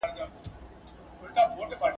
علم راتلونکو پېښو ته ځواب موندلای سي.